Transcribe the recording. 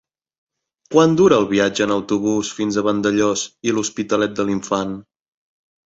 Quant dura el viatge en autobús fins a Vandellòs i l'Hospitalet de l'Infant?